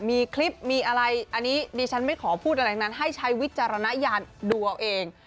มีคลิปมีอะไรอันนี้ดิฉันไม่ขอพูดอะไรทั้งนั้นให้ใช้วิจารณญาณดูเอาเอง